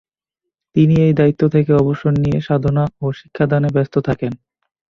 তিনি এই দায়িত্ব থেকে অবসর নিয়ে সাধনা ও শিক্ষাদানে ব্যস্ত থাকেন।